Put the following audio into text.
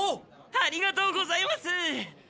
ありがとうございます！